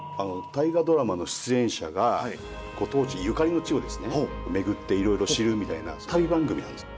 「大河ドラマ」の出演者がご当地ゆかりの地をですね巡っていろいろ知るみたいな旅番組なんですよ。